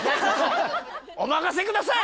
お任せください！